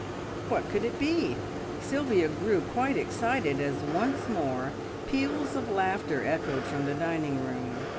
What could it be? Sylvia grew quite excited as once more peals of laughter echoed from the dining room.